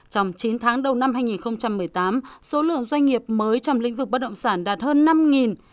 trong chín tháng đầu năm hai nghìn một mươi tám số lượng doanh nghiệp mới trong lĩnh vực bất động sản đạt hơn năm